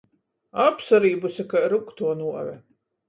Apsarībuse kai ryugtuo nuove!